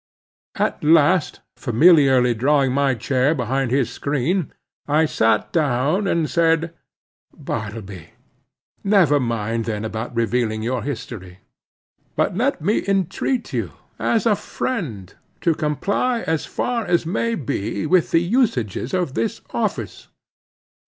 At last, familiarly drawing my chair behind his screen, I sat down and said: "Bartleby, never mind then about revealing your history; but let me entreat you, as a friend, to comply as far as may be with the usages of this office.